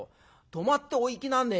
泊まっておいきなね。